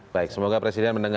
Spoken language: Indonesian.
baik semoga presiden menanggungnya